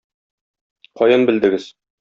Каян белдегез?